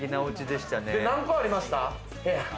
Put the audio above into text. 何個ありました？